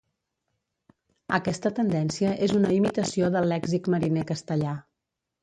Aquesta tendència és una imitació del lèxic mariner castellà.